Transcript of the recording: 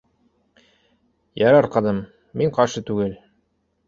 — Ярар, ҡыҙым, мин ҡаршы түгел